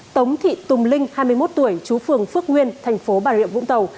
tống thị tùng linh hai mươi một tuổi chú phường phước nguyên thành phố bà rịa vũng tàu